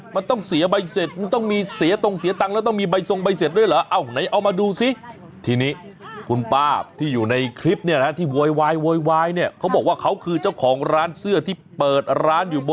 มันต้องเสียใบเสร็จมันต้องมีเสียตรงเสียตังค์แล้วต้องมีใบทรงใบเสร็จด้วยเหรอ